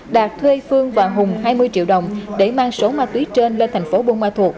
đạt thuê phương và hùng hai mươi triệu đồng để mang số ma túy trên lên thành phố buôn ma thuột